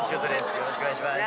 よろしくお願いします。